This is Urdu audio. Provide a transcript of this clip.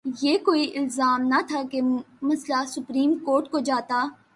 یہ کوئی لازم نہ تھا کہ مسئلہ سپریم کورٹ کو جاتا۔